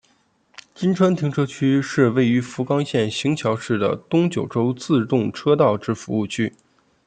今川停车区是位于福冈县行桥市的东九州自动车道之服务区。